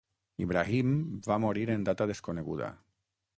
Ibrahim va morir en data desconeguda.